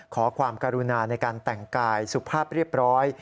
ขอความกรุณาในการแต่งกายสุภาพเรียบร้อย